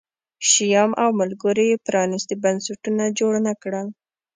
شیام او ملګرو یې پرانیستي بنسټونه جوړ نه کړل